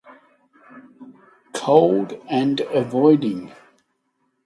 Cold and avoiding.